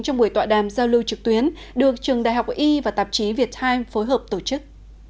trong buổi tọa đàm giao lưu trực tuyến được trường đại học y và tạp chí viettime phối hợp tổ chức